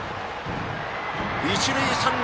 一塁三塁。